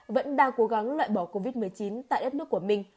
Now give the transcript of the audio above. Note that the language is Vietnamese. vẫn đang cố gắng loại bỏ covid một mươi chín tại đất nước của mình